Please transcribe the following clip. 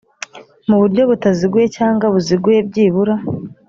muburyo butaziguye cyangwa buziguye byibura